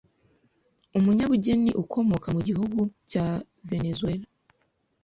umunyabugeni ukomoka mu gihugu cya Venezuela